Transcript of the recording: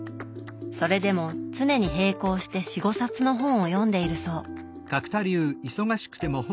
それでも常に並行して４５冊の本を読んでいるそう。